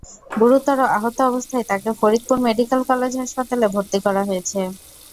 গুরুতর আহত অবস্থায় তাঁকে ফরিদপুর মেডিকেল কলেজ হাসপাতালে ভর্তি করা হয়েছে।